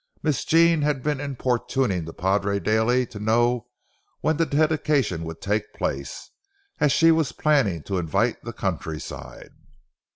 Miss Jean had been importuning the padre daily to know when the dedication would take place, as she was planning to invite the countryside.